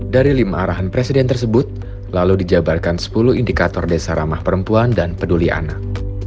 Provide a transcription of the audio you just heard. dari lima arahan presiden tersebut lalu dijabarkan sepuluh indikator desa ramah perempuan dan peduli anak